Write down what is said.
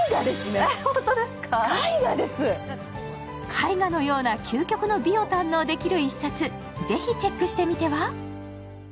絵画のような究極の美を体験できる一冊ぜひチェックしてみては？